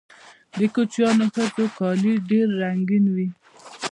د کوچیانیو ښځو کالي ډیر رنګین وي.